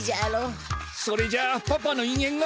それじゃあパパのいげんが。